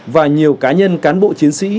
và nhiều cá nhân cán bộ chiến sĩ